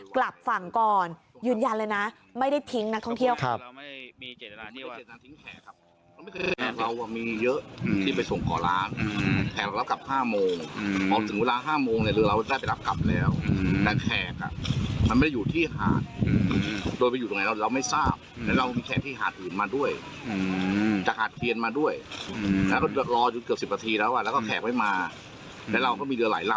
กลับฝั่งก่อนยืนยันเลยนะไม่ได้ทิ้งนักท่องเที่ยวค่ะ